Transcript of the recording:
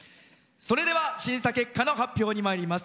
それでは、審査結果の発表にまいります。